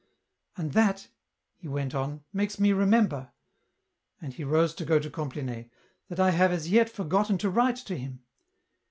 "And that," he went on, "makes me remember," and he rose to go to Compline, " that I have as yet forgotten to write to him.